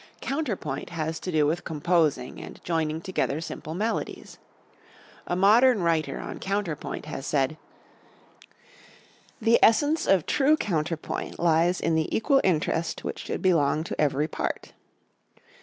Counterpoint has to do with composing and joining together simple melodies. A modern writer on counterpoint has said: "The essence of true counterpoint lies in the equal interest which should belong to ever part."